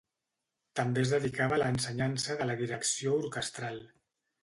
També es dedicava a l'ensenyança de la direcció orquestral.